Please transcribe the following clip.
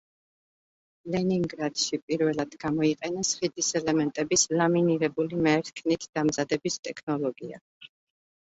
ლენინგრადში პირველად გამოიყენეს ხიდის ელემენტების ლამინირებული მერქნით დამზადების ტექნოლოგია.